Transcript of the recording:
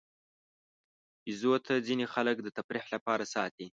بیزو ته ځینې خلک د تفریح لپاره ساتي.